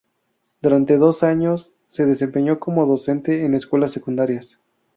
Durante dos años se desempeñó como docente en escuelas secundarias.